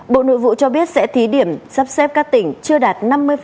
bộ nội vụ cho biết sẽ thí điểm sắp xếp các tỉnh chưa đạt năm mươi